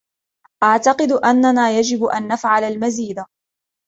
أعتقد أننا يجب أن نفعل المزيد.